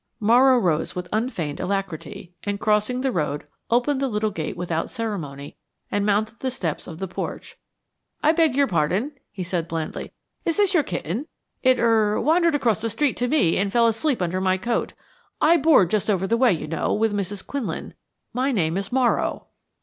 Morrow rose with unfeigned alacrity and crossing the road, opened the little gate without ceremony and mounted the steps of the porch. "I beg your pardon," he said blandly. "Is this your kitten? It er wandered across the street to me and fell asleep under my coat. I board just over the way, you know, with Mrs. Quinlan. My name is Morrow."